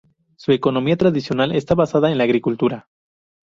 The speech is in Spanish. Su economía tradicional está basada en la agricultura.